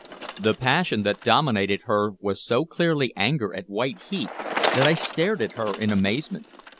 The passion that dominated her was so clearly anger at white heat that I stared at her in amazement.